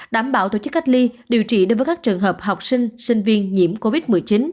đảm bảo tổ chức cách ly điều trị đối với các trường hợp học sinh sinh viên nhiễm covid một mươi chín